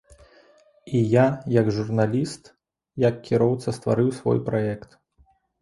І я як журналіст, як кіроўца стварыў свой праект.